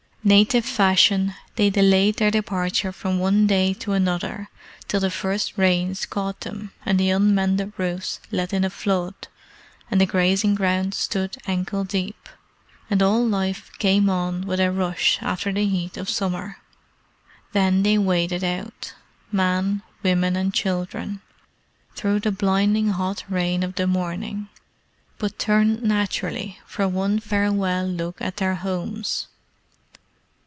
Native fashion, they delayed their departure from one day to another till the first Rains caught them and the unmended roofs let in a flood, and the grazing ground stood ankle deep, and all life came on with a rush after the heat of the summer. Then they waded out men, women, and children through the blinding hot rain of the morning, but turned naturally for one farewell look at their homes.